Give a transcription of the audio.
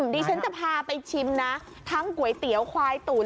ดิฉันจะพาไปชิมนะทั้งก๋วยเตี๋ยวควายตุ๋น